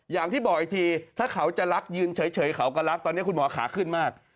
อย่างที่บอกอีกทีถ้าเขาจะรักยืนเฉยเขาก็รักตอนนี้คุณหมอขาขึ้นมาก